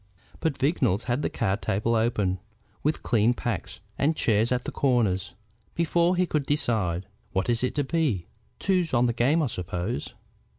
But Vignolles had the card table open, with clean packs, and chairs at the corners, before he could decide. "What is it to be? Twos on the game I suppose."